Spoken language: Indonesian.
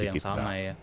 metode yang sama ya